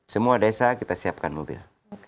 semua desa kita siapkan mobil